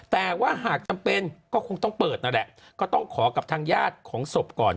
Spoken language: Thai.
แต่ว่าหากจำเป็นก็คงต้องเปิดนั่นแหละก็ต้องขอกับทางญาติของศพก่อน